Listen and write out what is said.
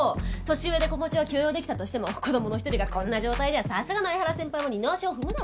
年上で子持ちは許容できたとしても子供の１人がこんな状態じゃさすがの江原先輩も二の足を踏むだろうしさ。